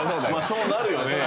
そうなるよね。